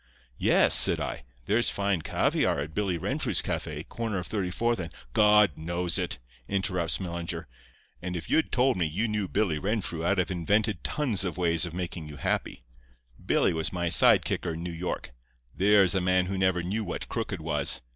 "'Yes,' said I, 'there's fine caviare at Billy Renfrew's café, corner of Thirty fourth and—' "'God knows it,' interrupts Mellinger, 'and if you'd told me you knew Billy Renfrew I'd have invented tons of ways of making you happy. Billy was my side kicker in New York. There is a man who never knew what crooked was.